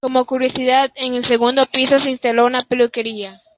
Como curiosidad, en el segundo piso se instaló una peluquería.